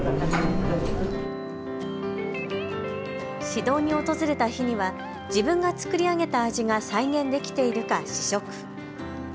指導に訪れた日には自分が作り上げた味が再現できているか試食。